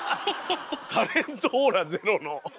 タレントオーラゼロの。